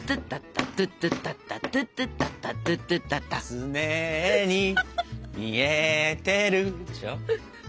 「すねえに見えてる」でしょ？